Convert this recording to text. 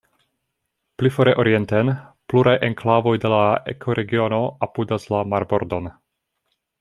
Pli fore orienten, pluraj enklavoj de la ekoregiono apudas la marbordon.